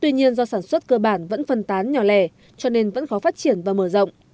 tuy nhiên do sản xuất cơ bản vẫn phân tán nhỏ lẻ cho nên vẫn khó phát triển và mở rộng